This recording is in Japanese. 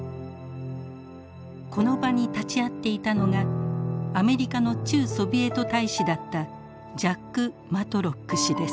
この場に立ち会っていたのがアメリカの駐ソビエト大使だったジャック・マトロック氏です。